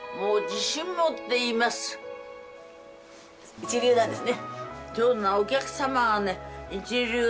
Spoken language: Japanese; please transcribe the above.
一流なんですね。